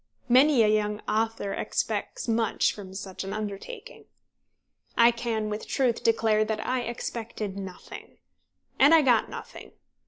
Many a young author expects much from such an undertaking. I can with truth declare that I expected nothing. And I got nothing.